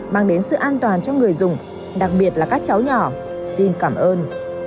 mang đến sự an toàn cho người dùng đặc biệt là các cháu nhỏ xin cảm ơn